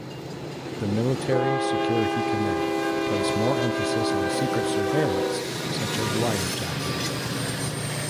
The Military Security Command place more emphasis on secret surveillance such as wiretapping.